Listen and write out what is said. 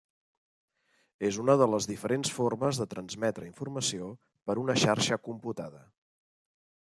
És una de les diferents formes de transmetre informació per una xarxa computada.